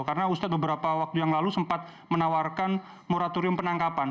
karena ustadz beberapa waktu yang lalu sempat menawarkan moratorium penangkapan